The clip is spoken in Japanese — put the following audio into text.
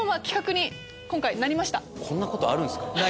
こんなことあるんすか？